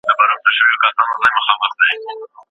رحیم په قهر کې خپل ځان ورک کړی و.